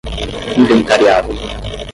inventariado